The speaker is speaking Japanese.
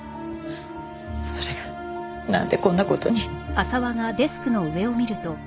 それがなんでこんな事に。